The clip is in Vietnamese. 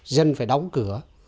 nên phải đóng cửa